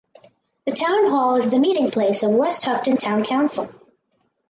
The town hall is the meeting place of Westhoughton Town Council.